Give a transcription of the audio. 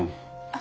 あ。